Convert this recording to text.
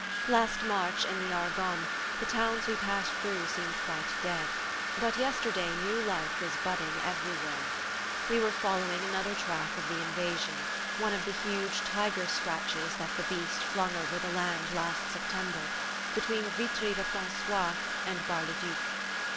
Last March, in the Argonne, the towns we passed through seemed quite dead; but yesterday new life was budding everywhere. We were following another track of the invasion, one of the huge tiger scratches that the Beast flung over the land last September, between Vitry le Francois and Bar le Duc.